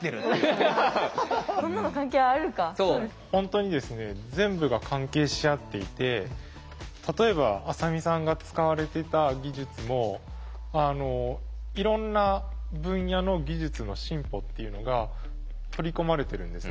本当にですね全部が関係し合っていて例えば浅見さんが使われてた技術もいろんな分野の技術の進歩っていうのが取り込まれてるんですね。